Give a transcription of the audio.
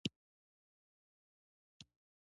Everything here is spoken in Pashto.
قلم د سترو انسانانو غوره دوست دی